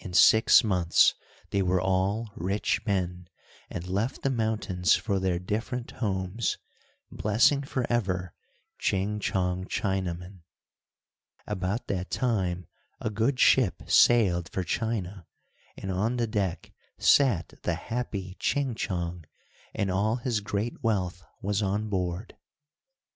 In six months they were all rich men, and left the mountains for their different homes, blessing forever Ching Chong Chinaman. About that time a good ship sailed for China, and on the deck sat the happy Ching Chong, and all his great wealth was on board.